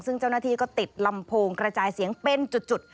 ซึ่งเจ้าหน้าที่ก็ติดลำโพงกระจายเสียงเป็นจุด